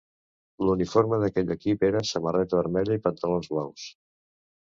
L'uniforme d'aquell equip era samarreta vermella i pantalons blaus.